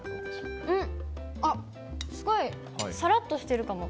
うん！あっ、すごいさらっとしてるかも。